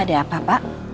ada apa pak